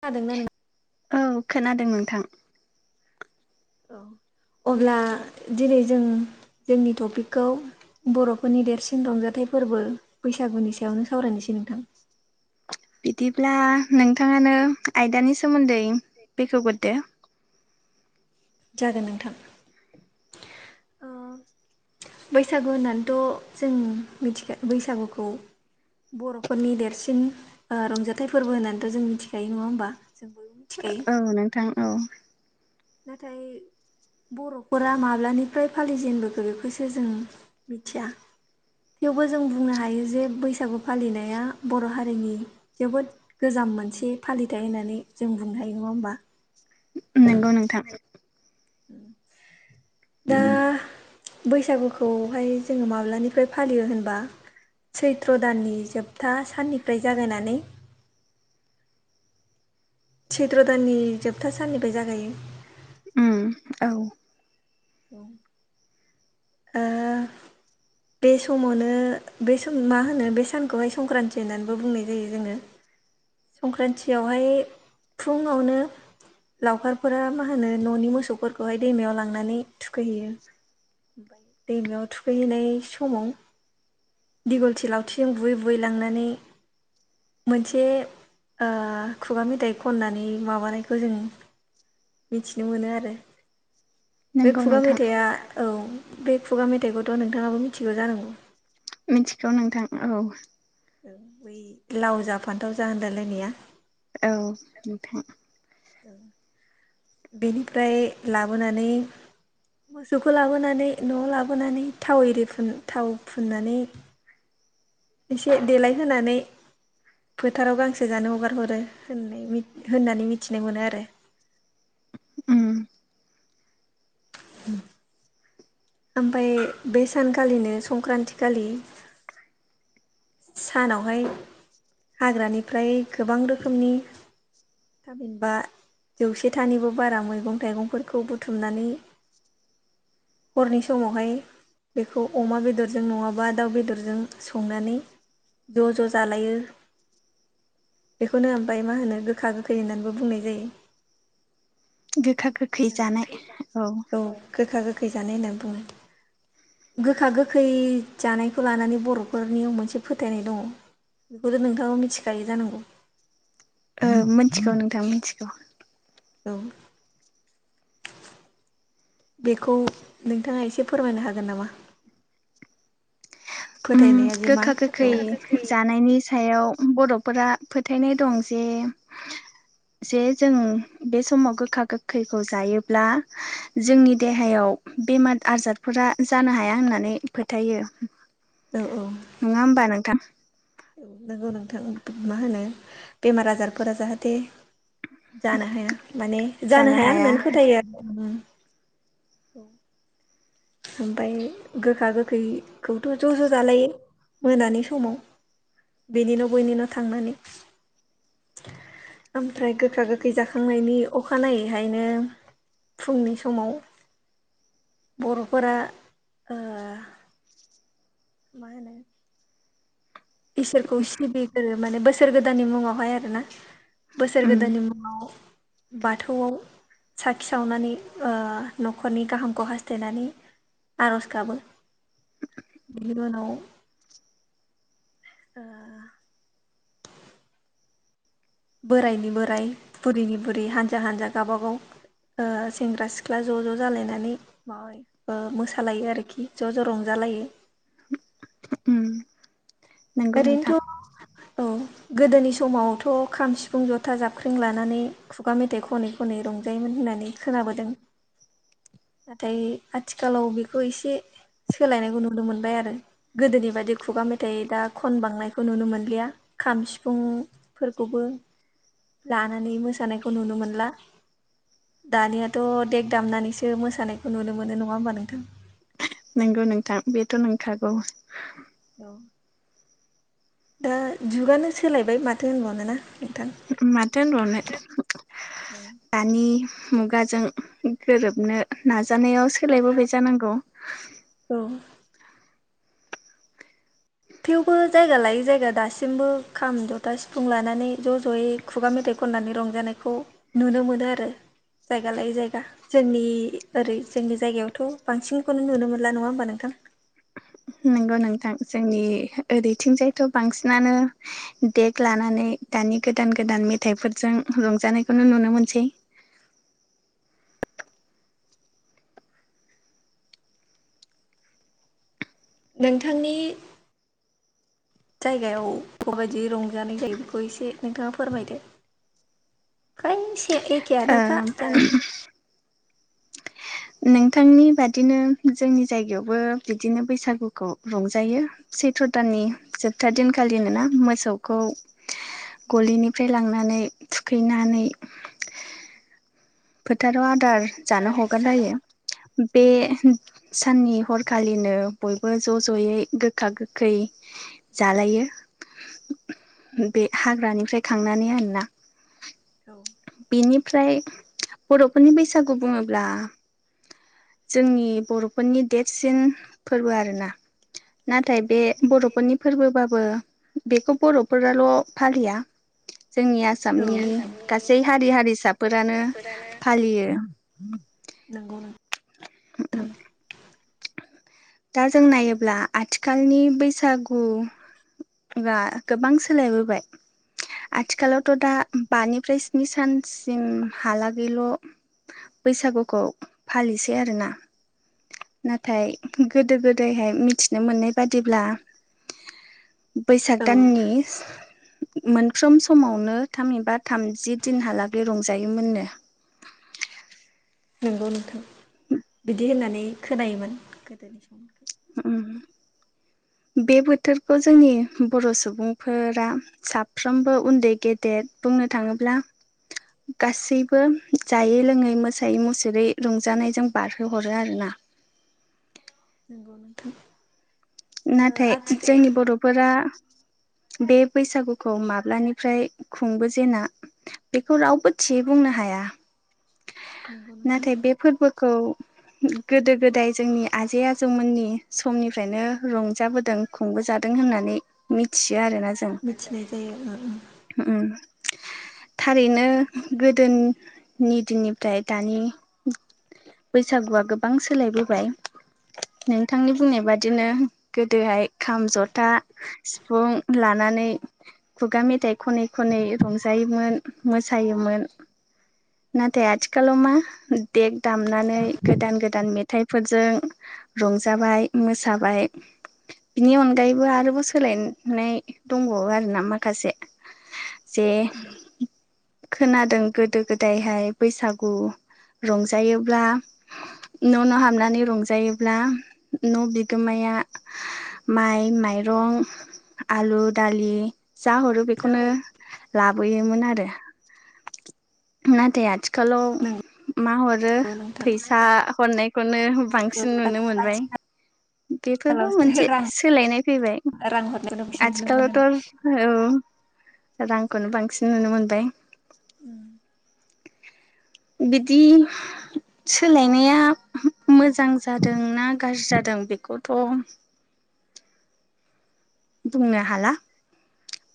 खोनादोंना नोङो? औ खोनादों नोंथां। औ अब्ला दिनै जों जोंनि टपिकखौ बर'फोरनि देरसिन रंजाथाइ फोरबो बैसागुनि सायावनो सावरायनोसै नोंथां? [inaudible] दिब्ला नोंथाङानो आयदानि सोमोन्दै बेखेवग्रोदो। जागोन नोंथां। [inaudible] बैसागु होननानैथ' जों मिथिखा बैसागुखौ बर'फोरनि देरसिन ओ रंजाथाइ फोरबो होननानैथ' जों मिथिखायो नङा होमबा जों बय औ नोंथां औ। नाथाय बर'फोरा माब्लानिफ्राय फालिजेनबोखो बेखौसो जों मिथिया थेवबो जों बुंनो हायो जे बैसागु फालिनाया बर' हारिनि जोबोद गोजाम मोनसे फालिथाय होननानै जों बुंनो हायो नङा होमबा। नंगौ नोंथां। दा बैसागुखौहाय जोङो माब्लानिफ्राय फालियो होनबा सैत्र दाननि जोबथा साननिफ्राय जागायनानै [unintelligible] सैथ्र' दाननि जोबथा साननिफ्राय जागायो। उम औ। ओ बे समावनो बे सम मा होनो बे सानखौहाय संक्रान्थि होननानैबो बुंनाय जायो जोङो। संक्रान्तियावहाय फुंङावनो लावखारफोरा मा होनो न'नि मोसौफोरखौहाय दैमायाव लांनानै थुखैहैयो। ओमफाय दैमायाव थुखैहैनाय समाव दिगलथि लावथिजों बुयै बुयै लांनानै मोनसे ओ खुगा मेथाइ खननानै माबानायखौ जों मिथिनो मोनो आरो बे नंगौ खुगा नोंथां मेथाइआ औ बे खुगा मेथाइखौथ' नोंथाङाबो मिथिगौ जानांगौ। मिथिगौ नोंथां औ। लाव जा फान्थाव जा होनलाय लायनाया औ नोंथां बेनिफ्राय लाबोनानै मोसौखौ लाबोनानै न'आव लाबोनानै थाव एरि फुन थाव फुननानै [inaudible] एसे देलायहोनानै फोथाराव गांसो जानो हगार हरो होन-होननानै मिथिनो मोनो आरो। अम [inaudible] ओमफाय बे सानखालिनो संक्रान्ति खालि सानावहाय हाग्रानिफ्राय गोबां रोखोमनि थामिनबा जौसेथानिबो बारा मैगं थाइगंफोरखौ बुथुमनानै हरनि समावहाय बेखौ अमा बेदरजों नंङाबा दाउ बेदरजों संनानै ज' ज' जालायो। बेखौनो ओमफ्राय मा होनो गोखा गोखै होननानैबो बुंनाय जायो। गोखा गोखै जानाय औ गोखा गोखै जानाय होनना बुंङो। गोखा गोखै जानायखौ लानानै बर'फोरनियाव मोनसे फोथायनाय दंङ बेखौथ' नोंथाङा मिथिखायो जानांगौ ओ मिथिगौ नोंथाङा मिथिगौ औ बेखौ नोंथाङा एसे फोरमायनो हागोन नामा। [inaudible] फोथायनाया जे मा गोखा गोखै औ जानायनि सायाव बर'फोरा फोथायनाय दं जे जे जों बे समाव गोखा गोखैखौ जायोब्ला जोंनि देहायाव बेमार आजारफोरा जानो हाया होननानै फोथायो औ नंङा होमबा नोंथां औ नोंगौ नोंथां मा होनो बेमार आजारफोरा जाहाथे जानो हाया माने जानो हाया होननानै फोथायो आरो। औ ओमफाय गोखा गोखैखौथ' ज' ज' जालायो। मोनानि समाव बेनिनो न' बैनि न' थांनानै ओमफ्राय गोखा गोखै जाखांनायनि अखानायैहायनो फुंनि समाव [inaudible] बर'फोरा ओ मा होनो इसोरखौ सिबि गोरो माने बोसोर गोदाननि मुंङावहाय आरो ना। बोसोर उम गोदाननि मुंङाव बाथौआव साखि सावनानै ओ न'खरनि गाहामखौ हास्थायनानै आर'ज गाबो बिनि उनाव ओ बोराइनि बोराइ बुरैनि बुरै हानजा हानजा गावबागाव ओ सेंग्रा सिख्ला ज' ज' जालायनानै माबायो ओ मोसालायो आरोखि ज' ज' रंजालायो। अम नंगौ नोंथां ओरैनोथ' औ गोदोनि समावथ' खाम सिफुं जथा जाबख्रें लानानै खुगा मेथाइ खनै खनै रंजायोमोन। होननानै खोनाबोदों। [inaudible] नाथाय आथिखालाव बेखौ एसे सोलायनायखौ नुनो मोनबाय आरो गोदोनि बायदि खुगा मेथाइ दा खन बांनायखौ नुनो मोनलिया। खाम सिफुंफोरखौबो लानानै मोसानायखौ नुनो मोनला दानियाथ' देग दामनानैसो सो मोसानायखौ नुनो मोनो नङा ओमबा नोंथां? नंगौ नोंथां बेथ' नंखागौ। औ। दा जुगानो सोलायबाय माथो होनबावनोना? माथो होनबावनो दानि मुगाजों गोरोबनो नाजानायाव सोलायबोबाय जानांगौ। औ थेवबो जायगा लायै जायगा दासिमबो खाम जथा सिफुं लानानै ज' ज'यै खुगा मेथाइखौ खननानै रंजानायखौ नुनो मोनो आरो जायगा लायै जायगा जोंनि ओरै जोंनि जायगायावथ' बांसिनखौनो नुनो मोनला नङा ओमबा नोंथां? नंगौ नोंथां जोंनि ओरैथिंजायथ' बांसिनानो देग लानानै दानि गोदान गोदान मेथाइफोरजों रंजानायखौनो नुनो मोनसै। नोंथांनि जायगायाव माबायदि रंजानाय जायो बेखौ एसे नोंथांङा फोरमायदो। [unintelligible] एखेयानोखा ओम जानांगौ नोंथांनि बादिनो जोंनि जायगायावबो बिदिनो बैसागुखौ रंजायो। सैथ्र'दाननि जोबथा दिनखालिन ना मोसौखौ गलिनिफ्राय लांनानै थुखैनानै। फोथाराव आदार जानो हगारना होयो बे साननि हरखालिनो बयबो ज' ज'यै गोखा गोखै जालायो। [inaudible] बे हाग्रानिफ्राय खांनानै आरोना बेनि फ्राय बर'फोरनि बैसागु बुङोब्ला जोंनि बर'फोरनि देरसिन फोरबो आरोना? नाथाय बे बर'फोरनि फोरबो बाबो बेखौ बर'फोराल' फालिया। जोंनि औ आसामनि औ गासै हारि हारिसाफोरानो फालियो। नंगौ नों उम उम दा जों नायोब्ला आथिखालनि बैसागु बा गोबां सोलायबोबाय। आथिखालावथ' दा बानिफ्राय स्नि सानसिम हालागैल' बैसागुखौ फालिसै आरोना। नाथाय गोदो गोदायहाय मिथिनो मोननाय बादिब्ला बैसाग औ दाननि मोनफ्रोम समावनो थामहिबा थामजि दिनहालागै रंजायोमोननो। [inaudible] नंगौ नोंथां बिदि होननानै खोनायोमोन गोदोनि समखो उम बे बोथोरखौ जोंनि बर' सुबुंफोरा साफ्रोमबो उन्दै गेदेर [unintelligible] बुंनो थाङोब्ला गासैबो जायै लोङै मोसायै मुसुरै रंजानायजों बारहोहरो आरोना? [inaudible] नंगौ नोंथां। ओ नाथाय आथिखाल जोंनि बर'फोरा बे बैसागुखौ माब्लानिफ्राय खुंबोजेना बेखौ रावबो थियै बुंनो हाया नंगौ नोंथां नाथाय बे फोरबोखौ गोदो गोदाय जोंनि आजै आजौमोननि समनिफ्रायनो रंजाबोदों खुंबोजादों होननानै मिथि आरोना जों मिथिनाय जायो ओम थारैनो गोदोनि दिननिफ्राय दानि बैसागुआ गोबां सोलायबोबाय नोंथांनि बुंनाय बादिनो गोदोहाय खाम जथा सिफुं लानानै खुगा मेथाइ ख'नै खनै रंजायोमोन मोसायोमोन नाथाय आथिखालाव मा देग दामनानै गोदान गोदान मेथाइफोरजों रंजाबाय मोसाबाय बिनि अनगायैबो आरोबाव सोलायनाय दंबावो आरो ना माखासे। जे खोनादों गोदो गोदायहाय बैसागु रंजायोब्ला न' न' हाबनानै रंजायोब्ला न' बिगोमाया माइ माइरं आलु दालि जा हरो बेखौनो ओ लाबोयोमोन आरो नाथाय आथि खालाआव ओ नंगौ मा हरो नोंथां फैसा हरनायखौनो ओ बांसिन नुनो मोनबाय आथिखालावसो [inaudible] फोरबो मोनसे रां सोलायनाय फैबाय रां हरनायखौनो बांसिन नुनो मोनो आथिखालावथ' औ रांखौनो बांसिन नुनो मोनबाय नाथाय बिदि सोलायनाया मोजां जादों ना गाज्रि जादों बेखौ थ' बुंनो हाला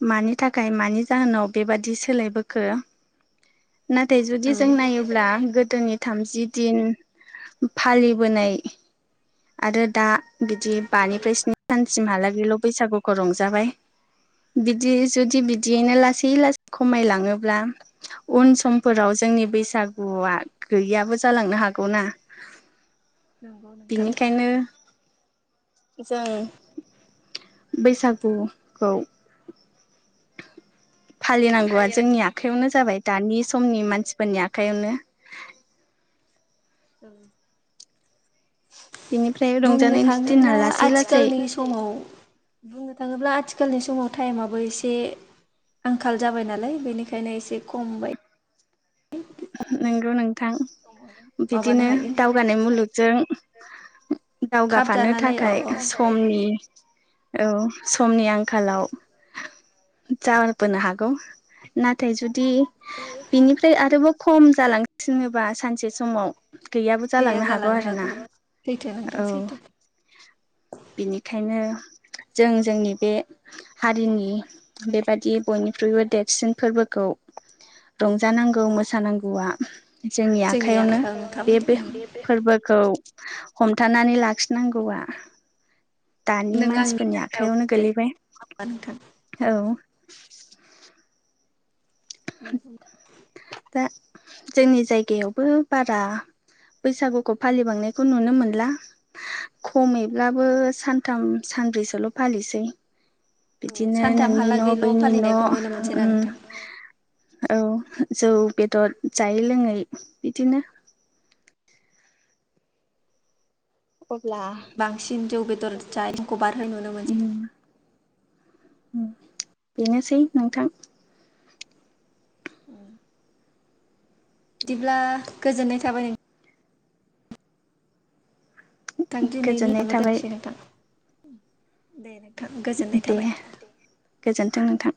मानि थाखाय मानि जाहोनाव बेबादि सोलायबोखो नाथाय जुदि जों जुदि जों नायोब्ला नाय गोदोनि थामजि दिन फालिबोनाय आरो दा बिदि बानिफ्राय स्नि सानसिमहालागैल' बैसागुखौ रंजाबाय बिदि जुदि बिदियैनो लासै लासै खमायलाङोब्ला उन समफोराव जों जोंनि बैसागुआ गैयाबो जालांनो हागौनाा नंगौ नोंथां जों बैसागुखौ फालिनांगौ आौ जोंनि आखयावनो जाबाय दानि समनि मानसिफोरनि आखयावनो औ बिनिफ्राय बुंनो रंजानायनि दिना थाङोब्ला लासै लासै आथिखालनि समाव बुंनो थाङोब्ला आथिखालनि समाव टाइमाबबो एसे आंखाल जाबाय नालाय बेनिखायनो एसे खमबाय नंगौ नोंथां माबानो बिदिनो हायो दावगानाय मुलुगजों खाब दावगाफानो जानानै अ थाखाय अ समनि औ समनि आंखालाव जा होनबानो हागौ नाथाय जुदि बिदि बिनिफ्राय आरोबाव खम जालांसिनोबा सानसे समाव गैयाबो जालांनो हागौ आरोना सैथो नोंथां औ सैथो बेनिखायनो जों जोंनि बे हारिनि बेबादि बयनिख्रुइबो देरसिन फोरबोखौ खौ रंजानांगौ मोसानांगौआ जोंनि आखाइयावनो आखायावनो बे थाबाय बे उम फोरबोखौ हमथानानै लाखिनांगौआ दानि नों आंनि मानसिफोरनि आखयावनो गोलैबाय औ नोंथां औ नोंगौ दा जोंनि जायगायावबो बारा बैसागुखौ फालिबांनायखौ नुनो मोनला खमैब्लाबो सानथाम सा सानब्रैसोल' फालिसै औ बिदिनो नोंनि न' सानथामहालागैल' बैनि न' फालिनायखौ नुनो मोनसैना ओम नोंथां औ जौ बेदर जायै लोङै बिदिनो अब्ला बांसिन जौ बेदर [unintelligible] नुनो मोनो उम बेनोसै नोंथां ओम बिदिब्ला गोजोननाय थाबाय नों गोजोननाय थाबाय थां [unintelligible] दे गोजोनथों नोंथां।